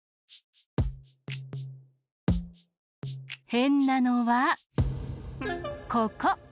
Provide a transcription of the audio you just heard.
へんなのはここ！